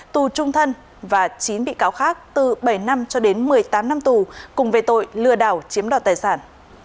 tù trung thân và chín bị cáo khác từ bảy năm cho đến một mươi tám năm tù cùng về tội lừa đảo chiếm đoạt tài sản